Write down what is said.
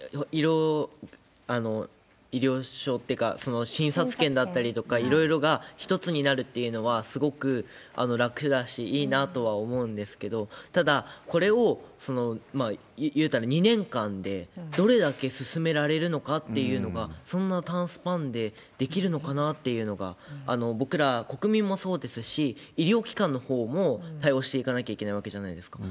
医療証というか、診察券だったりとか、いろいろが一つになるっていうのはすごく楽だし、いいなとは思うんですけど、ただ、これを、いったら２年間でどれだけ進められるのかっていうのが、そんな短スパンでできるのかなっていうのが、僕ら国民もそうですし、医療機関のほうも対応していかなきゃいけないわけじゃないですか。